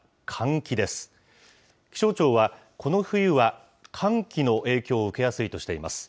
気象庁は、この冬は寒気の影響を受けやすいとしています。